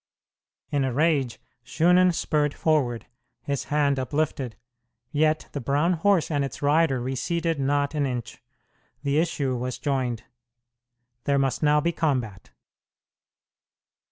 In a rage Shunan spurred forward, his hand uplifted; yet the brown horse and its rider receded not an inch. The issue was joined. There must now be combat!